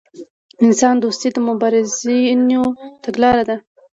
انسان دوستي د مبارزینو تګلاره ده.